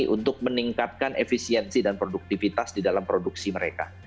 untuk meningkatkan efisiensi dan produktivitas di dalam produksi mereka